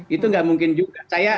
itu nggak mungkin juga